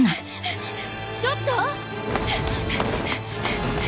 ちょっと！